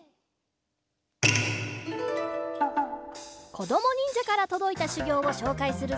こどもにんじゃからとどいたしゅぎょうをしょうかいするぞ！